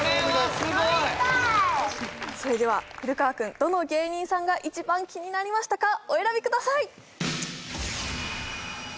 飲みたいそれでは古川君どの芸人さんが一番気になりましたかお選びください！